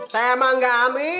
teh emang gak amin